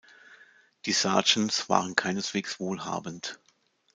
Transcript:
Die Sargents waren keineswegs wohlhabend.